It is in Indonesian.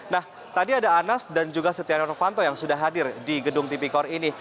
nah tadi ada anas dan juga setia novanto yang sudah hadir di gedung tipikor ini